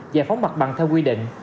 và phóng mặt bằng theo quy định